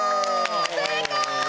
正解！